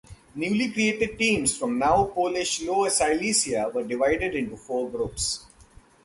Newly created teams from now Polish Lower Silesia were divided into four groups.